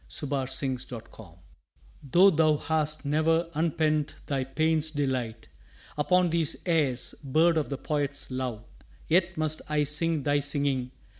AVOWAL TO THE NIGHTINGALE Tho' thou hast ne'er unpent thy pain's delight Upon these airs, bird of the poet's love, Yet must I sing thy singing!